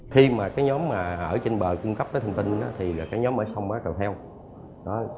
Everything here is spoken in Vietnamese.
khi mà cái nhóm ở trên bờ cung cấp cái thông tin thì là cái nhóm ở sông bá cầu heo